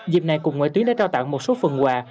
dịp này cục ngoại tuyến đã trao tặng một số phần quà